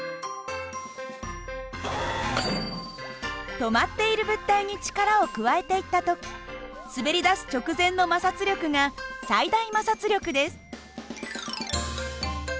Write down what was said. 止まっている物体に力を加えていった時滑りだす直前の摩擦力が最大摩擦力です。